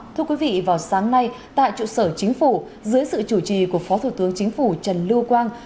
thưa quý vị vào sáng nay tại trụ sở chính phủ dưới sự chủ trì của phó thủ tướng chính phủ trần lưu quang